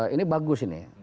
ini bagus ini